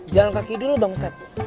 jalan kaki dulu bang ustadz